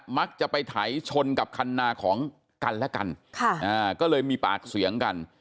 มักจะไปไถชนกับคันนาของกันและกันก็เลยมีปากเสียงกัน